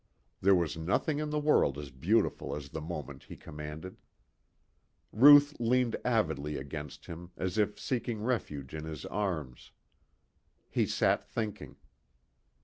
There was nothing in the world as beautiful as the moment he commanded. Ruth leaned avidly against him as if seeking refuge in his arms. He sat thinking.